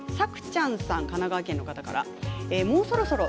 神奈川県の方です。